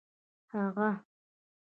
هغه